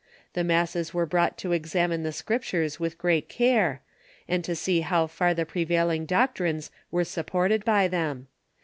The masses were brought to examine the Scriptures with great care, and to see how far the prevailing doctrines were supported by them.